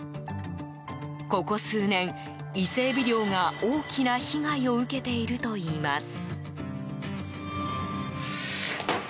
ここ数年、イセエビ漁が大きな被害を受けているといいます。